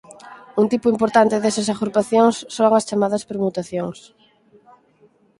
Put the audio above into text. Un tipo importante desas agrupacións son as chamadas permutacións.